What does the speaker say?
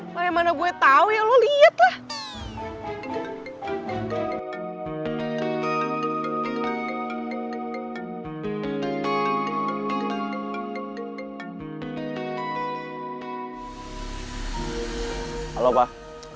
lah yang mana gue tau ya lo liat lah